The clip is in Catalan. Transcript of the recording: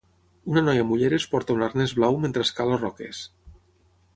Una noia amb ulleres porta un arnès blau mentre escala roques.